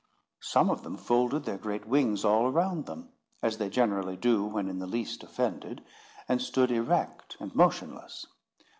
Some of them folded their great wings all around them, as they generally do when in the least offended, and stood erect and motionless.